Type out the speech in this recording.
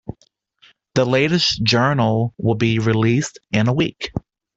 The latest journal will be released in a week.